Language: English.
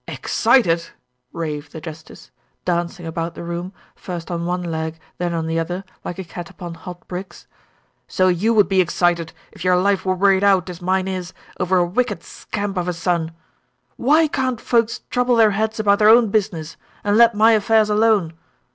"Excited?" raved the justice, dancing about the room, first on one leg, then on the other, like a cat upon hot bricks, "so you would be excited, if your life were worried out, as mine is, over a wicked scamp of a son. Why can't folks trouble their heads about their own business, and let my affairs alone?